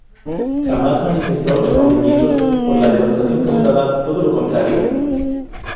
Jamás manifestó remordimientos por la devastación causada, todo lo contrario.